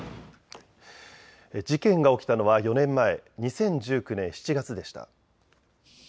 事件が起きたのは４年前、２０１９年７月でした。